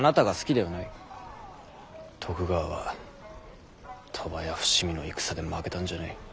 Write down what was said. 徳川は鳥羽や伏見の戦で負けたんじゃない。